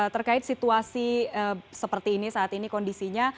terkait situasi seperti ini saat ini kondisinya